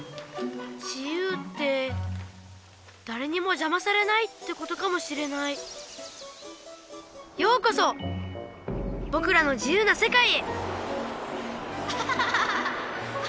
自由ってだれにもじゃまされないってことかもしれないようこそぼくらの自由なせかいへ！